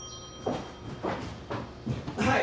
はい！